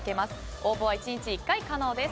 応募は１日１回可能です。